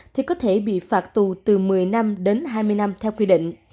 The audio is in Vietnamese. thì có thể bị phạt tù từ một mươi năm đến hai mươi năm theo quy định